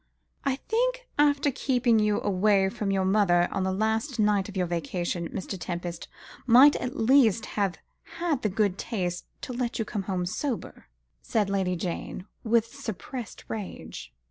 "I think, after keeping you away from your mother on the last night of your vacation, Mr. Tempest might at least have had the good taste to let you come home sober," said Lady Jane, with suppressed rage.